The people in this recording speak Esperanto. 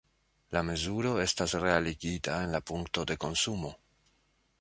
La mezuro estas realigita en la punkto de konsumo.